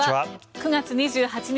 ９月２８日